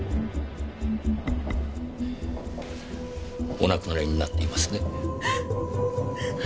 お亡くなりになっていますね。